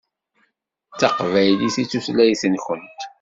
D taqbaylit i d tutlayt-nkent.